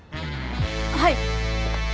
はい。